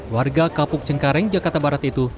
warga kapuk cengkareng jakarta barat itu